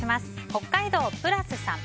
北海道の方。